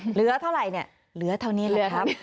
เหลือเท่าไหร่เหรอก็นี่แหวะนะครับ